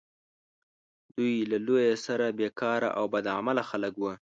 دوی له لویه سره بیکاره او بد عمله خلک وه.